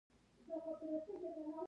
ایا ستاسو ماستې به کورنۍ وي؟